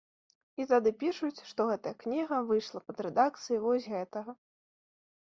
І тады пішуць, што гэтая кніга выйшла пад рэдакцыяй вось гэтага.